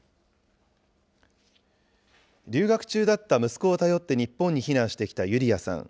留学中だった息子を頼って日本に避難してきたユリヤさん。